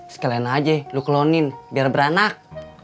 sekalian aja lu klonin biar beranak